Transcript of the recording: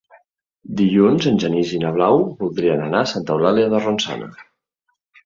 Dilluns en Genís i na Blau voldrien anar a Santa Eulàlia de Ronçana.